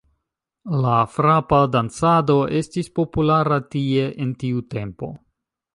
La frapa dancado estis populara tie en tiu tempo.